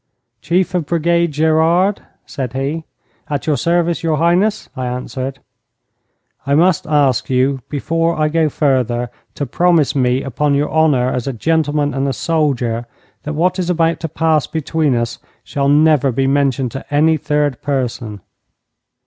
'Chief of Brigade Gerard!' said he. 'At your service, your Highness!' I answered. 'I must ask you, before I go further, to promise me, upon your honour as a gentleman and a soldier, that what is about to pass between us shall never be mentioned to any third person.'